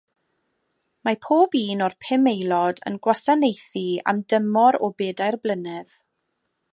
Mae pob un o'r pum aelod yn gwasanaethu am dymor o bedair blynedd.